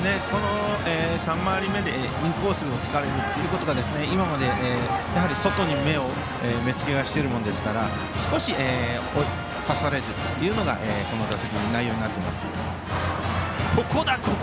３回り目でインコースを突かれるということが今まで外に目付けしてますから少し差されるというのがこの打席の内容になっています。